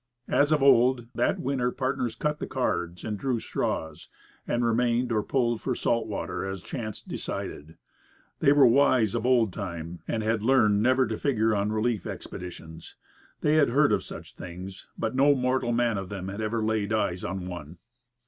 As of old, that winter partners cut the cards and drew straws, and remained or pulled for salt water as chance decided. They were wise of old time, and had learned never to figure on relief expeditions. They had heard of such things, but no mortal man of them had ever laid eyes on one.